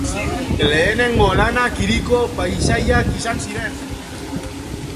Lehenengo lanak hiriko paisaiak izan ziren.